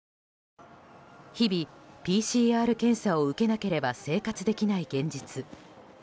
日々、ＰＣＲ検査を受けなければ生活できない現実。